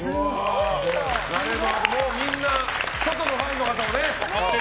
みんな外のファンの方もね。